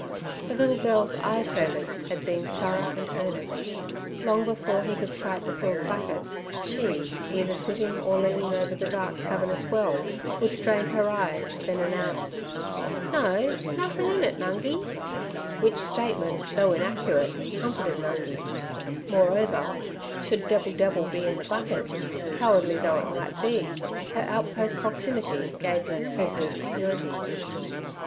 The little girl's eye service had been thorough and earnest. Long before he could sight the filled bucket, she, either sitting or leaning over the dark, cavernous well, would strain her eyes then announce: 'No, nothin' in it, Nungi' which statement, though inaccurate, comforted Nungi. Moreover, should Debbil debbil be in the bucket, cowardly though it might be, her outpost proximity gave him a sense of security.